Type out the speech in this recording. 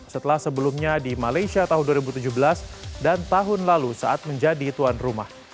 setelah sebelumnya di malaysia tahun dua ribu tujuh belas dan tahun lalu saat menjadi tuan rumah